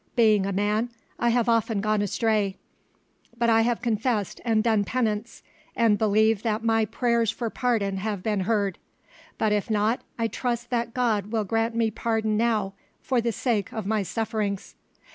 Being a man, I have often gone astray; but I have confessed and done penance, and believe that my prayers for pardon have been heard; but if not, I trust that God will grant me pardon now, for the sake of my sufferings."